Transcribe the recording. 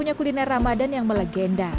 ini adalah lima kuliner ramadhan yang melegenda